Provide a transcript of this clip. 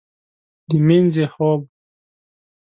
د مینځې خوب